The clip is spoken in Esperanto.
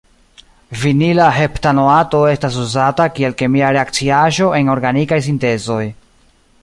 Vinila heptanoato estas uzata kiel kemia reakciaĵo en organikaj sintezoj.